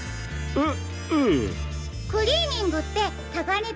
えっ？